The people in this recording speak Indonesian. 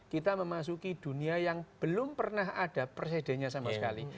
kita memasuki dunia yang belum pernah ada presidennya sama sekali